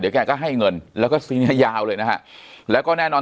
เดี๋ยวแกก็ให้เงินแล้วก็ซีนี้ยาวเลยนะฮะแล้วก็แน่นอน